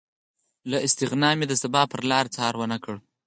له استغنا مې د سبا پرلاره څار ونه کړ